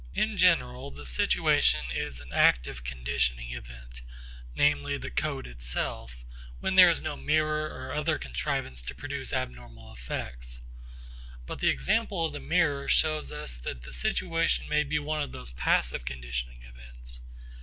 In general the situation is an active conditioning event; namely the coat itself, when there is no mirror or other such contrivance to produce abnormal effects. But the example of the mirror shows us that the situation may be one of the passive conditioning events.